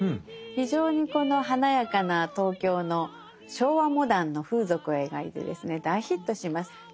非常にこの華やかな東京の昭和モダンの風俗を描いてですね大ヒットします。